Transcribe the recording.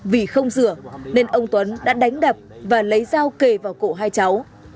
vì không rửa nên ông tuấn đã đánh đập và lấy dao kề vào cổ hai cháu